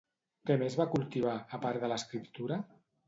Què més va cultivar, a part de l'escriptura?